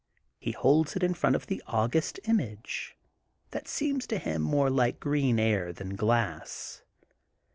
He holds it in front of the august image, that seems to him more like green air than glass.